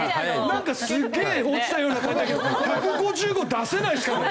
なんかすげえ落ちたような感じだけど１５５出せないですからね。